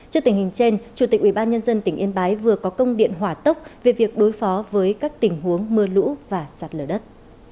trước tình hình trên chủ tịch ubnd tỉnh yên bái vừa có công điện hỏa tốc về việc đối phó với các tình huống mưa lũ và sạt lở đất